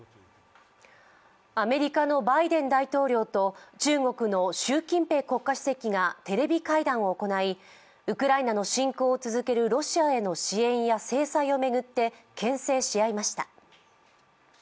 アメリカのバイデン大統領と中国の習近平国家主席がテレビ会談を行い、ウクライナの侵攻を続けるロシアへの支援や制裁を巡ってけん制し合いました。